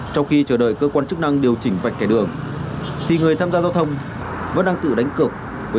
trong khi chờ đợi cơ quan chức năng điều chỉnh vạch kẻ đường thì người tham gia giao thông vẫn đang tự đánh cực với số phận của mình như thế này